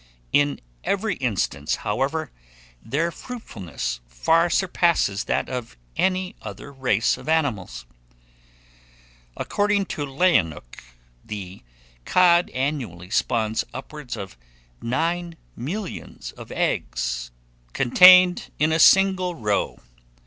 In every instance, however, their fruitfulness far surpasses that of any other race of animals. According to Lewenhoeck, the cod annually spawns upwards of nine millions of eggs, contained in a single roe.